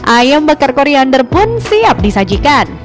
ayam bakar koriander pun siap disajikan